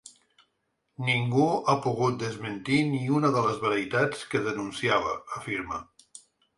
Ningú ha pogut desmentir ni una de les veritats que denunciava, afirma.